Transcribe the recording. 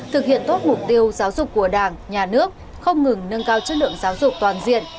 thực hiện tốt mục tiêu giáo dục của đảng nhà nước không ngừng nâng cao chất lượng giáo dục toàn diện